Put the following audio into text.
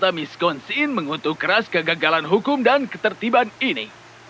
meminta miskonsin mengutuk keras kegagalan hukum dan ketertiban ini